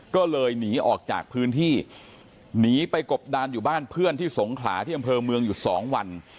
ก็เลยหนีออกจากพื้นที่หนีไปกบดานอยู่บ้านเพื่อนที่สงขลาที่อำเภอเมืองอยู่สองวัน